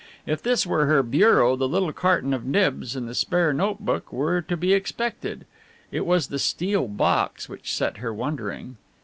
If this were her bureau the little carton of nibs and the spare note book were to be expected. It was the steel box which set her wondering.